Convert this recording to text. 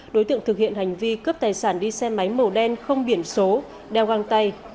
đối tượng thực hiện hành vi cướp tài sản đi xe máy màu đen không biển số đeo găng tay